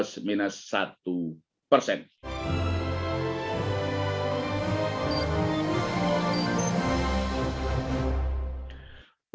pembangunan indonesia dan koordinasi perbankan